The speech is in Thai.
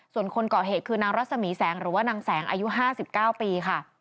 ส่วนคนก่อเหตุคือนางรัศมีแสงหรือว่านางแสงอายุ๕๙ปีค่ะ